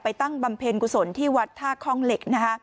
ตั้งบำเพ็ญกุศลที่วัดท่าคล่องเหล็ก